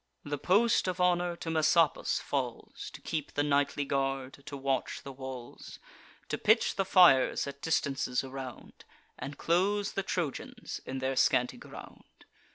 The post of honour to Messapus falls, To keep the nightly guard, to watch the walls, To pitch the fires at distances around, And close the Trojans in their scanty ground.